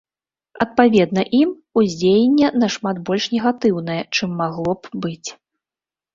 Адпаведна ім уздзеянне нашмат больш негатыўнае, чым магло б быць.